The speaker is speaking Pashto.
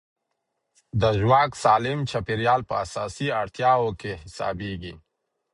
د ژواک سالم چاپېریال په اساسي اړتیاوو کې حسابېږي.